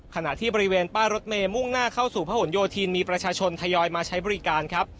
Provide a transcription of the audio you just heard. ขณะที่บริเวณป้ายรถเมย์มุ่งหน้าเข้าสู่พระหลโยธินมีประชาชนทยอยมาใช้บริการครับ